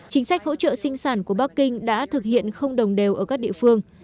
chính sách hỗ trợ sinh sản của bắc kinh đã thực hiện không đồng đều ở các địa phương